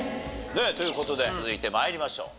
という事で続いて参りましょう。